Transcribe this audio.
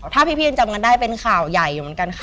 ถ้าพี่จะจำได้เป็นข่าวใหญ่เหมือนกันค่ะ